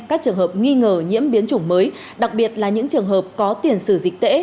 các trường hợp nghi ngờ nhiễm biến chủng mới đặc biệt là những trường hợp có tiền sử dịch tễ